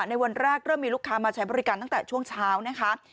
ในวันแรกเริ่มมีลูกค้ามาใช้บริการตั้งแต่ช่วงเช้านะคะ